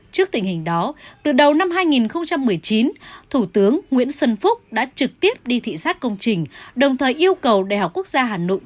trước tình hình đó từ đầu năm hai nghìn một mươi chín thủ tướng nguyễn xuân phúc đã trực tiếp đi thị xác công trình đồng thời yêu cầu đại học quốc gia hà nội